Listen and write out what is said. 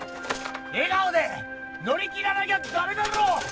笑顔で乗り切らなきゃダメだろ！